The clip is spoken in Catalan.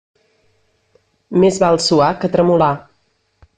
Més val suar que tremolar.